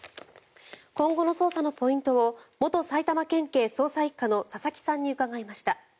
今後の捜査のポイントを元埼玉県警捜査１課の佐々木さんに伺いました。